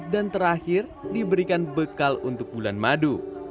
dan terakhir diberikan bekal untuk bulan madu